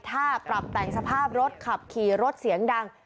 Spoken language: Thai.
ถ้าปรับแต่งสภาพรถขับขี่รถเสียงดัง